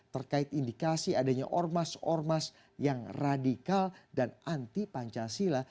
terkait indikasi adanya ormas ormas yang radikal dan anti pancasila